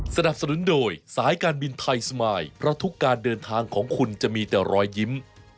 สนับสนุนโดยสายการบินไทยสมายเพราะทุกการเดินทางของคุณจะมีแต่รอยยิ้ม